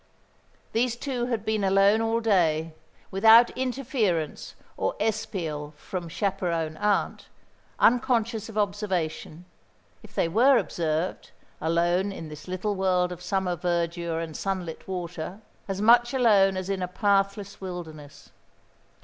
These two had been alone all day, without interference or espial from chaperon Aunt, unconscious of observation, if they were observed, alone in this little world of summer verdure and sunlit water; as much alone as in a pathless wilderness.